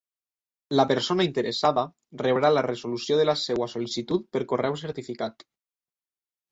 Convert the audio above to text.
La persona interessada rebrà la resolució de la seva sol·licitud per correu certificat.